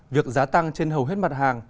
việc giá tăng trên hầu hết mặt hàng